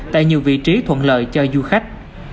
tại nhiều vị trí thuận lợi cho du khách